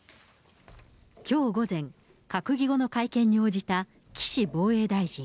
きょう午前、閣議後の会見に応じた岸防衛大臣。